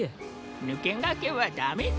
ぬけがけはダメだよ。